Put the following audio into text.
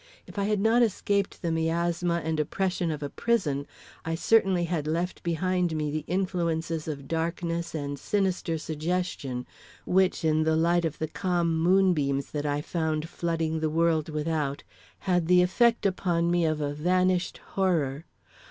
If I had not escaped the miasma and oppression of a prison, I certainly had left behind me influences of darkness and sinister suggestion, which, in the light of the calm moonbeams that I found flooding the world without, had the effect upon me of a vanished horror.